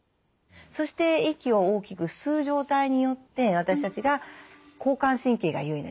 そして息を大きく吸う状態によって私たちが交感神経が優位な状態。